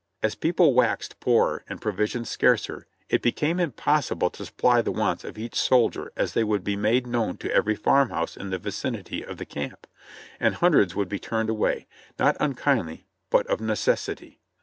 As people waxed poorer and provisions scarcer it became impossible to supply the wants of each soldier as they would be made known to every farm house in the vicinity of the camp, and hundreds would be turned away, not unkindly but of neces sity.